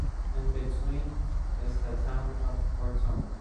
In between is the town of Ortona.